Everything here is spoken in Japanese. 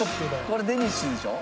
これデニッシュでしょ？